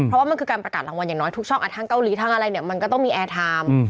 เพราะว่ามันคือการประกาศรางวัลอย่างน้อยทุกช่องทางเกาหลีทางอะไรเนี่ยมันก็ต้องมีแอร์ไทม์